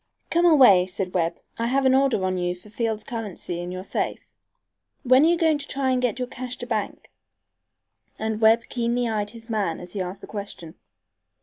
"Come away," said Webb. "I have an order on you for Field's currency in your safe. When are you going to try to get your cash to bank?" And Webb keenly eyed his man as he asked the question.